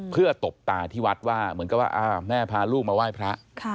เพื่อตบตาที่วัดว่าเหมือนกับว่าแม่พาลูกมาไหว้พระ